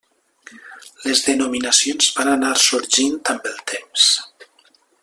Les denominacions van anar sorgint amb el temps.